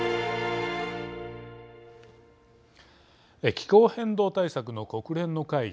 気候変動対策の国連の会議